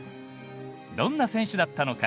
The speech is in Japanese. どんな選手だったのか？